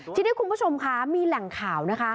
ทีนี้คุณผู้ชมคะมีแหล่งข่าวนะคะ